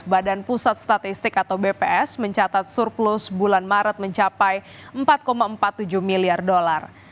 badan pusat statistik atau bps mencatat surplus bulan maret mencapai empat empat puluh tujuh miliar dolar